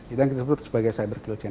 itu yang disebut sebagai cyber kill chain